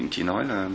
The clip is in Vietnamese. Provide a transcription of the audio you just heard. chị nói là